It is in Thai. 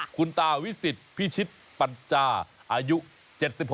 คุณตาวิสิทธิ์พิชิตปัจจาอายุ๗๖ปี